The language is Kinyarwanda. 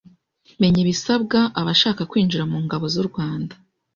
Menya ibisabwa abashaka kwinjira mu ngabo z’u Rwanda